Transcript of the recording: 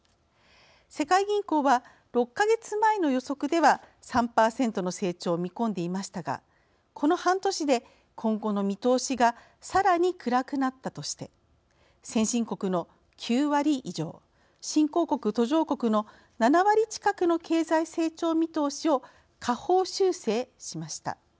世界銀行は６か月前の予測では３％の成長を見込んでいましたがこの半年で今後の見通しがさらに暗くなったとして先進国の９割以上新興国・途上国の７割近くの経済成長見通しを下方修正しました。